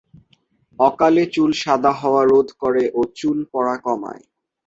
অকালে চুল সাদা হওয়া রোধ করে ও চুল পড়া কমায়।